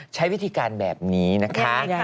ใช้วิธีการแบบนี้นะคะ